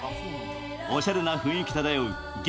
おしゃれな雰囲気漂う激